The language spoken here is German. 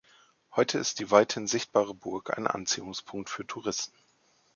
Heute ist die weithin sichtbare Burg ein Anziehungspunkt für Touristen.